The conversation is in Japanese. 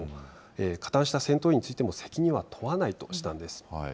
加担した戦闘員についても責任は問わないとしたんです。